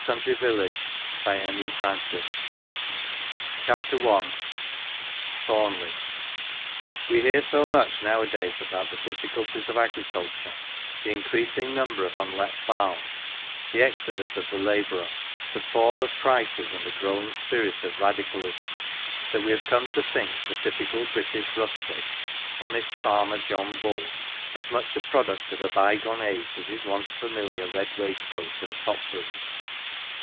209 "Our Joe" ...,. .231 Mates 249 THORNLEIGH WE hear so much nowadays about the difficulties of agricul ture, the increasing number of unlet farms, the exodus of the labourer, the fall of prices, and the growing spirit of radicalism, that we have come to think the I typical British rustic, honest Farmer John Bull, as much a product of a bygone age as his once familiar red waistcoat and top boots.